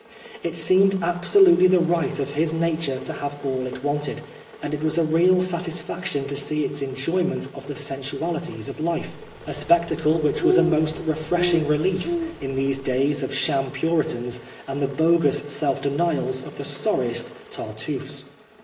It seemed absolutely the right of this nature to have all it wanted, and it was a real satisfaction to see its enjoyment of the sensualities of 5? Oscar Wilde lif e> a spectacle which was a most re freshing relief in these days of sham Puritans and the bogus self denials of the sorriest Tartuffes.